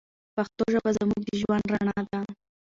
پښتو ژبه زموږ د ژوند رڼا ده.